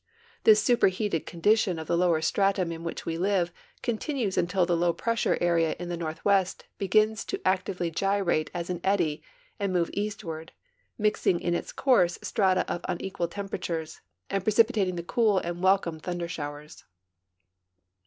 This superheated condition of the lower stratum in which we live continues until the low pressure area in the northwest begins to actively gyrate as an eddy and move eastward, mixing in its course strata of unequal tern [)eratu res. and precipitating the cool and welcome thunder showers.